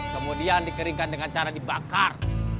kemudian dikeringkan dengan cara dibakar